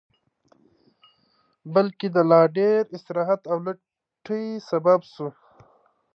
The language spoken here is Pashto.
بلکې د لا ډېر استراحت او لټۍ سبب شو